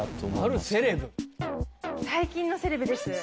最近のセレブです。